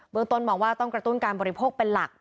ตนมองว่าต้องกระตุ้นการบริโภคเป็นหลัก